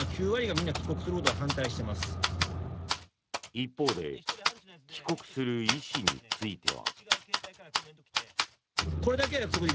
一方で帰国する意思については。